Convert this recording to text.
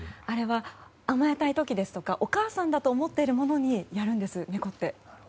あれは甘えたい時ですとかお母さんだと思っているものにやるんです、猫って。